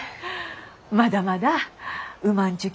まだまだうまんちゅ